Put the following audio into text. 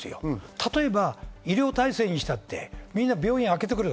例えば医療体制にしたって、みんな病院開けてくれよ。